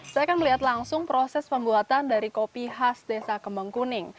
saya akan melihat langsung proses pembuatan dari kopi khas desa kembang kuning